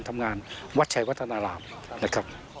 นอกจากวัดชัยวัฒนารามแล้ว